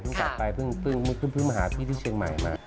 กลับไปเพิ่งมาหาพี่ที่เชียงใหม่มา